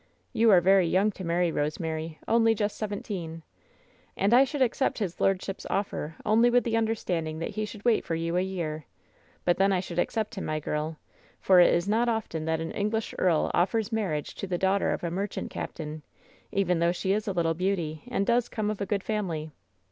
You are very young to marry, Rosemary — only just seventeen. And I should accept his lordship's offer only with the understanding that he should wait for you a year; but then I should accept him, my girl; for it is not often that an English earl offers marriage to the daughter of a merchant captain, even though she is a little beauty and does come of a good family.